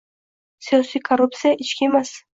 Siyosiy korruptsiya, ichki emas